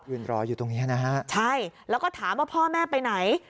รออยู่ตรงเนี้ยนะฮะใช่แล้วก็ถามว่าพ่อแม่ไปไหน